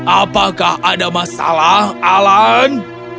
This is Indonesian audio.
apakah ada masalah alan